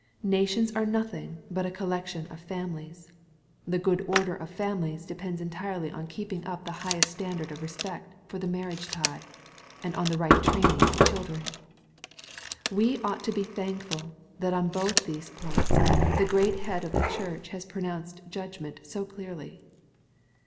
Nations are nothing but a collection of families. The good order of families depends entirely on keeping up the highest standard of respect for the marriage tie, and on the right training of children. We ought to be thankful, that on both these points, the great Head of the Church has pronounced judgment so clearly.